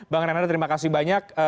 bang renanda terima kasih banyak